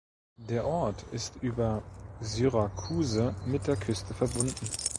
Der Ort ist über Syracuse mit der Küste verbunden.